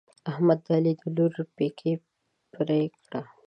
احمد د علي د لور پېکی پرې کړ.